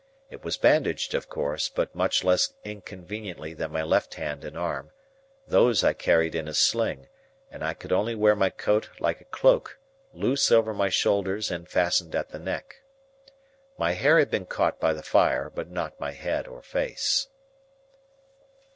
It was bandaged, of course, but much less inconveniently than my left hand and arm; those I carried in a sling; and I could only wear my coat like a cloak, loose over my shoulders and fastened at the neck. My hair had been caught by the fire, but not my head or face.